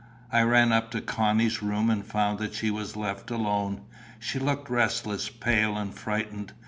I ran up to Connie's room, and found that she was left alone. She looked restless, pale, and frightened.